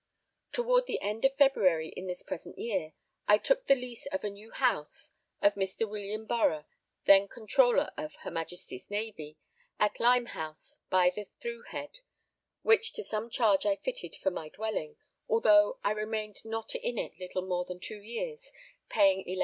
Toward the end of February in this present year, I took the lease of a new house (of Mr. William Borough, then Comptroller of her Majesty's Navy) at Limehouse by the through head, which to some charge I fitted for my dwelling, although I remained not in it little more than two years, paying 11_l.